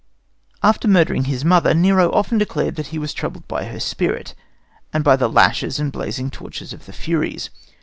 After murdering his mother, Nero often declared that he was troubled by her spirit and by the lashes and blazing torches of the Furies.